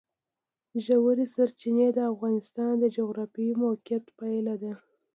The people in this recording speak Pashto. ژورې سرچینې د افغانستان د جغرافیایي موقیعت پایله ده.